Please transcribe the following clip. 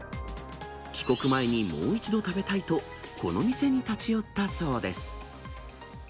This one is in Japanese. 帰国前にもう一度食べたいと、この店に立ち寄ったそうです。